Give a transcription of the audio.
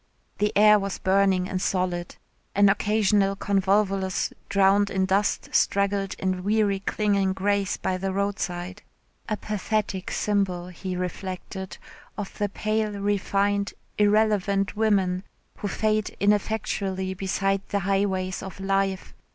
The air was burning and solid. An occasional convolvulus drowned in dust straggled in weary clinging grace by the roadside a pathetic symbol, he reflected, of the pale refined irrelevant women who fade ineffectually beside the highways of life.